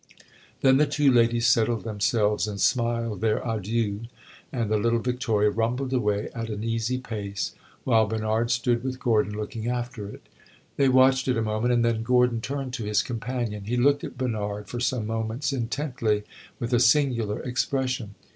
Then the two ladies settled themselves and smiled their adieux, and the little victoria rumbled away at an easy pace, while Bernard stood with Gordon, looking after it. They watched it a moment, and then Gordon turned to his companion. He looked at Bernard for some moments intently, with a singular expression.